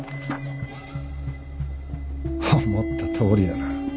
思ったとおりだな。